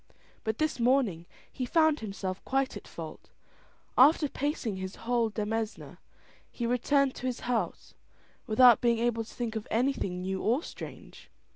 But this morning he found himself quite at fault; after pacing his whole demesne, he returned to his house without being able to think of anything new or strange.